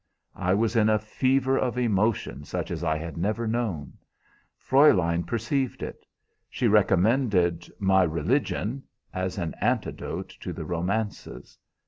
I was in a fever of emotion such as I had never known. Fräulein perceived it. She recommended 'My Religion' as an antidote to the romances.